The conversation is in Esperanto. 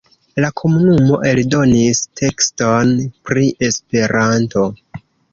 La komunumo eldonis tekston pri Esperanto.